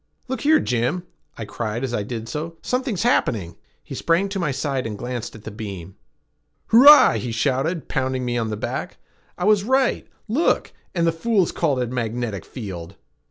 "Look here, Jim!" I cried as I did so. "Something's happening!" He sprang to my side and glanced at the beam. "Hurrah!" he shouted, pounding me on the back. "I was right! Look! And the fools called it a magnetic field!"